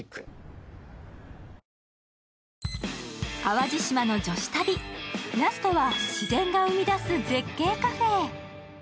淡路島の女子旅、ラストは自然が生み出す絶景カフェへ。